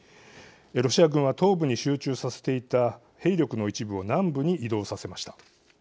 ロシア軍は東部に集中させていた兵力の一部を南部に移動させました。